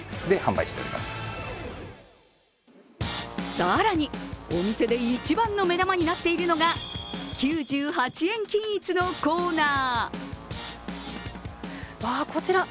更に、お店で一番の目玉になっているのが９８円均一のコーナー。